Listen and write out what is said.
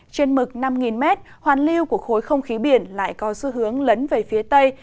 trên mực năm m hoàn lưu của khối không khí biển lại có xu hướng lấn về phía tây